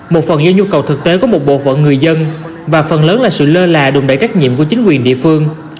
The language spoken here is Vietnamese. một phần do nhu cầu thực tế của một bộ phận người dân và phần lớn là sự lơ là đùn đẩy trách nhiệm của chính quyền địa phương